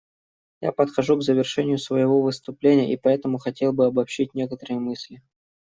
Я подхожу к завершению своего выступления, и поэтому хотел бы обобщить некоторые мысли.